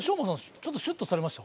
ちょっとシュッとされました？